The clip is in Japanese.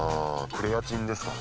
クレアチンですかね？